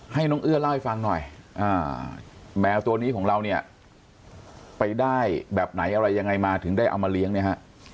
ให้น้องเอื้อเล่าให้ฟังหน่อยแมวตัวนี้ของเราเนี่ยไปได้แบบไหนอะไรยังไงมาถึงได้เอามาเลี้ยงเนี่ยฮะ